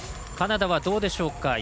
カナダはどうでしょうか。